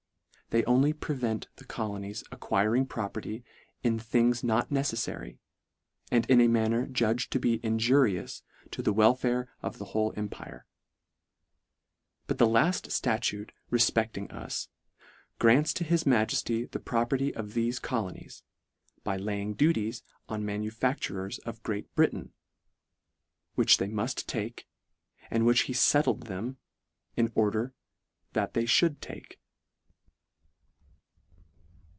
They only prevent the colonies acquiring property in things not neceffary, and in a manner judged to be injurious to the welfare of the whole empire. But the lafl ftatute refpecling us, " grants to his Majefty the property of thefe " colonies," by laying duties on manufac tures of Great Britain, which they muft take, and which he fettled them, in order that they fhould take.